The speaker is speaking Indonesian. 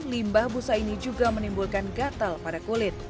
limbah busa ini juga menimbulkan gatal pada kulit